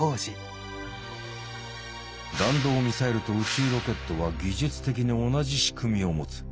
弾道ミサイルと宇宙ロケットは技術的に同じ仕組みを持つ。